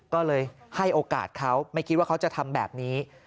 ก็เลยให้โอกาสเขาไม่คิดว่าเขาจะทำแบบนี้